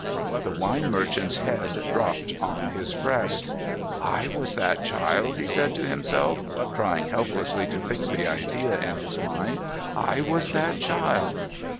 The wine merchant's head dropped on his breast. ' I was that child !' he said to himself, trying helplessly to fix the idea in his mind. ' I was that child